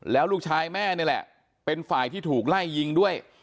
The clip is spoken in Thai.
แล้วลูกชายแม่นี่แหละเป็นฝ่ายที่ถูกไล่ยิงด้วย